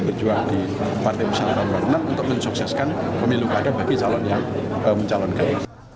berjuang di partai musim kewarna warna untuk mensukseskan pemilu kader bagi calon yang mencalonkan